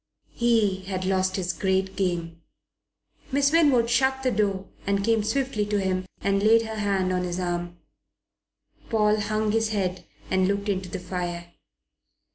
He had lost his great game. Miss Winwood shut the door and came swiftly to him and laid her hand on his arm. Paul hung his head and looked into the fire.